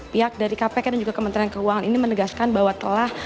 pihak dari kpk dan juga kementerian keuangan ini menegaskan bahwa telah